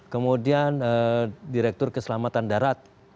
kemudian direktur keselamatan darat